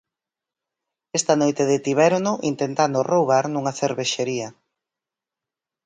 Esta noite detivérono intentando roubar nunha cervexería.